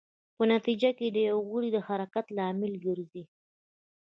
په نتېجه کې د یو غړي د حرکت لامل ګرځي.